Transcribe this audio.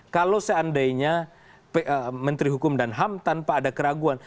kalau seandainya menteri hukum dan ham tanpa ada keraguan